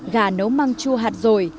gà nấu măng chua hạt rổi